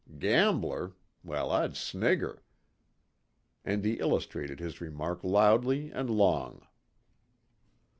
Gambler? Well, I'd snigger!" And he illustrated his remark loudly and long.